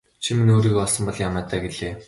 Чи минь өөрийгөө олсон бол яамай даа гэлээ.